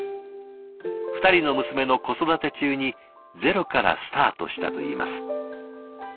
２人の娘の子育て中にゼロからスタートしたといいます。